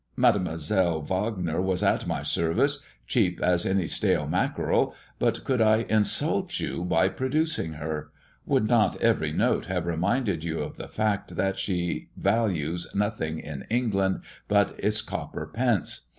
Mdlle. Wagner was at my service, cheap as any stale mackerel; but could I insult you by producing her? Would not every note have reminded you of the fact, that she values nothing in England but its copper pence.